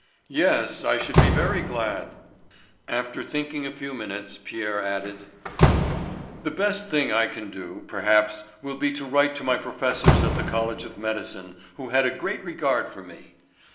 "Yes, I should be very glad." After thinking a few minutes Pierre added: "The best thing I can do, perhaps, will be to write to my professors at the college of Medicine, who had a great regard for me.